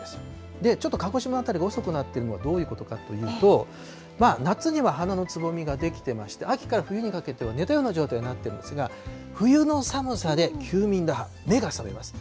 で、ちょっと鹿児島辺りが遅くなっているのはどういうことかというと、夏には花のつぼみが出来ていまして、秋から冬にかけては寝たような状態になっているんですが、冬の寒さで、目が覚めます。